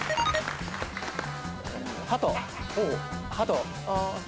ハトハト。